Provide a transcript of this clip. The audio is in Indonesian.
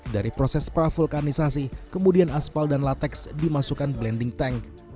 dari proses pravulkanisasi kemudian aspal dan latex dimasukkan blending tank